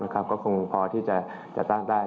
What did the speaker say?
ก็คงพอที่จะจัดตั้งได้